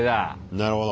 なるほど。